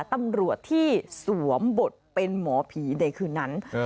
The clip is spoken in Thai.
ตำรวจที่สวมบทเป็นหมอผีในคืนนั้น